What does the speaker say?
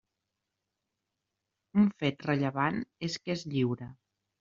Un fet rellevant és que és lliure.